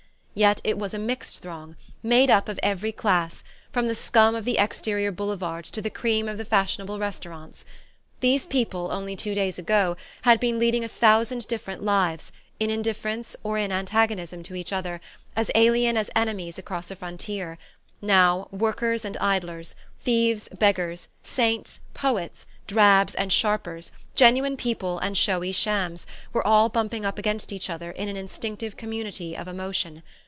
Yet it was a mixed throng, made up of every class, from the scum of the Exterior Boulevards to the cream of the fashionable restaurants. These people, only two days ago, had been leading a thousand different lives, in indifference or in antagonism to each other, as alien as enemies across a frontier: now workers and idlers, thieves, beggars, saints, poets, drabs and sharpers, genuine people and showy shams, were all bumping up against each other in an instinctive community of emotion.